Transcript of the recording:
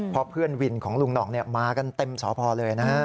เพราะเพื่อนวินของลุงหน่องเนี่ยมากันเต็มสอบพอเลยนะครับ